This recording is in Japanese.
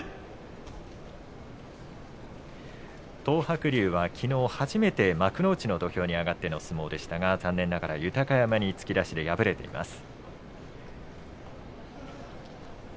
東白龍は、きのう初めて幕内の土俵に上がっての相撲でしたが残念ながら豊山に突き出しで敗れています。